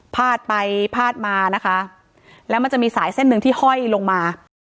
พาดไปพาดมานะคะแล้วมันจะมีสายเส้นหนึ่งที่ห้อยลงมา